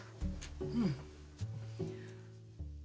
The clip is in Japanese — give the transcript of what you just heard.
うん。